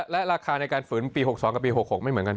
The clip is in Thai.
และราคาในการฝืนปี๖๒กับปี๖๖ไม่เหมือนกัน